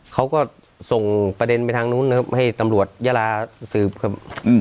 เขาก็ส่งประเด็นไปทางนู้นนะครับให้ตำรวจยาลาสืบครับ